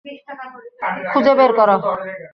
খুঁজে বের কর।